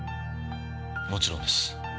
もちろんです。